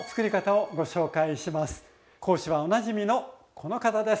講師はおなじみのこの方です。